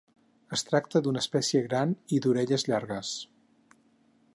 Es tracta d'una espècie gran i d'orelles llargues.